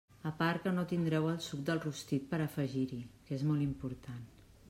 A part que no tindreu el suc del rostit per a afegir-hi, que és molt important.